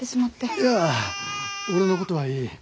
いや俺のことはいい。